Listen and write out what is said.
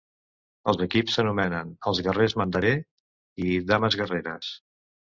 Els equips s'anomenen els "Guerrers Mandaree" i "Dames guerreres".